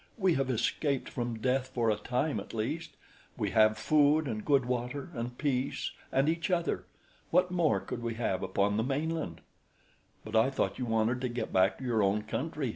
We have escaped from death for a time at least. We have food and good water and peace and each other. What more could we have upon the mainland?" "But I thought you wanted to get back to your own country!"